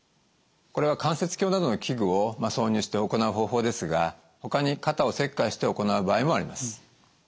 これは関節鏡などの器具を挿入して行う方法ですがほかに肩を切開して行う場合もあります。